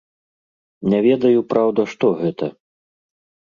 Не ведаю, праўда, што гэта.